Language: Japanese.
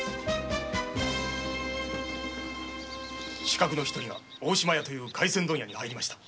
刺客の一人が大島屋という廻船問屋に入りました。